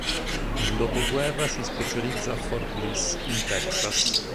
Nel dopoguerra si specializza a Fort Bliss, in Texas.